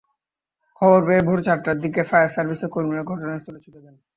খবর পেয়ে ভোর চারটার দিকে ফায়ার সার্ভিসের কর্মীরা ঘটনাস্থলে ছুটে যান।